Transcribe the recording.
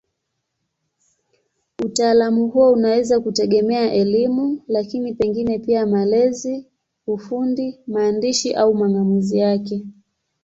Utaalamu huo unaweza kutegemea elimu, lakini pengine pia malezi, ufundi, maandishi au mang'amuzi yake.